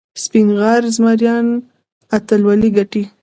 سپین غر زمریان اتلولي ګټي.